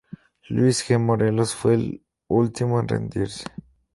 Luis G. Morelos fue el último en rendirse.